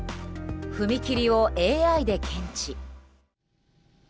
踏切をＡＩで検知。